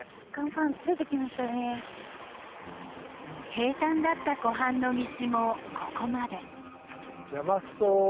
平たんだった湖畔の道もここまで。